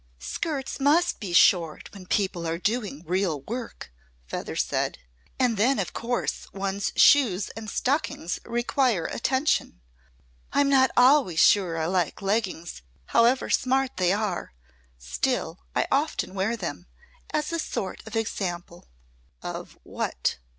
"Skirts must be short when people are doing real work," Feather said. "And then of course one's shoes and stockings require attention. I'm not always sure I like leggings however smart they are. Still I often wear them as a sort of example." "Of what?"